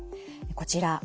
こちら。